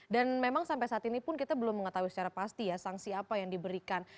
dan memang sampai saat ini pun kita belum mengetahui secara pasti ya sanksi apa yang diberikan